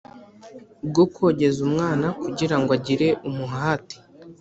Bwo kogeza umwana kugirango agire umuhate